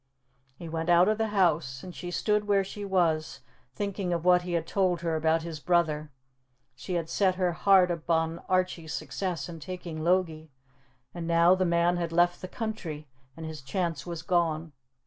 He went out of the house and she stood where she was, thinking of what he had told her about his brother; she had set her heart upon Archie's success in taking Logie, and now the man had left the country and his chance was gone.